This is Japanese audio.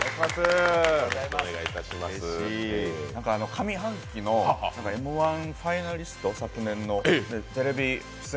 何か上半期の「Ｍ−１」ファイナリスト、昨年のテレビ出演